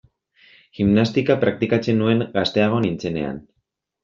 Gimnastika praktikatzen nuen gazteago nintzenean.